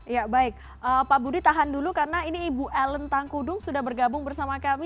ya baik pak budi tahan dulu karena ini ibu ellen tangkudung sudah bergabung bersama kami